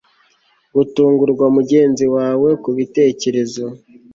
Gutungurwa mugenzi wawe kubitekerezo